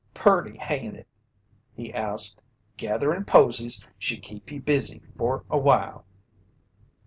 "Purty, hain't it?" he asked. "Gatherin' posies should keep ye busy for awhile.